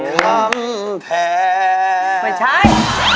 มาทอมแท่ไม่ใช่